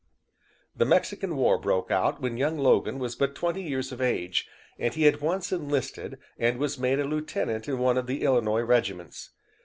The Mexican war broke out when young Logan was but twenty years of age, and he at once enlisted and was made a lieutenant in one of the Illinois regiments.